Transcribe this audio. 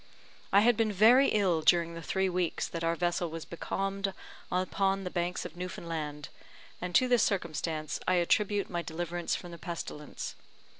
I had been very ill during the three weeks that our vessel was becalmed upon the Banks of Newfoundland, and to this circumstance I attribute my deliverance from the pestilence.